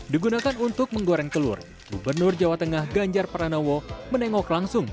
digunakan untuk menggoreng telur gubernur jawa tengah ganjar pranowo menengok langsung